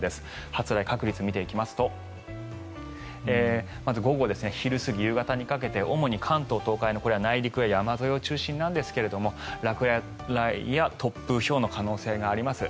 発雷確率を見ていきますとまず午後、昼過ぎ、夕方にかけて主に関東、東海の内陸や山沿いを中心なんですが落雷や突風ひょうの可能性があります。